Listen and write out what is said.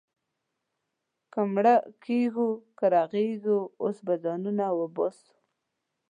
که مړه کېږو، که رغېږو، اوس به ځانونه وباسو.